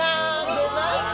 出ました！